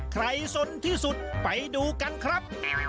สนที่สุดไปดูกันครับ